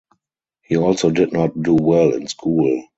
He also did not do well in school.